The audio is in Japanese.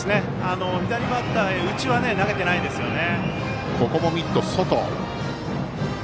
左バッターへ内は投げていないですよね。